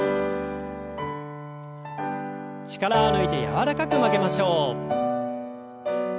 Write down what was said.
力を抜いて柔らかく曲げましょう。